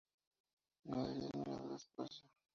Galería El Mirador espacio.